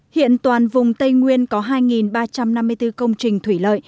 hiện toàn vùng tây nguyên có hai ba trăm năm mươi bốn công trình thủy lợi